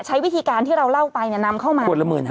ใช้วิธีการที่เราเล่าไปนำเข้ามา